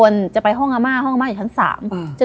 และยินดีต้อนรับทุกท่านเข้าสู่เดือนพฤษภาคมครับ